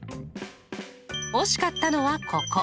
惜しかったのはここ。